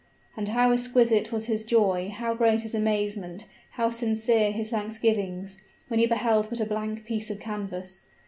And how exquisite was his joy, how great his amazement, how sincere his thanksgivings, when he beheld but a blank piece of canvas.